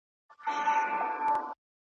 او کلمات یې په غوږونو کي شرنګی کوي ,